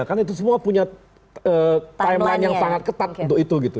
karena itu semua punya timeline yang sangat ketat untuk itu gitu